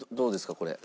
これ。